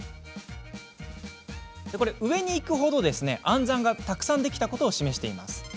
上にいくほど、暗算がたくさんできたことを示します。